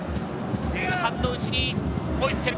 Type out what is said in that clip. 前半のうちに追いつけるか？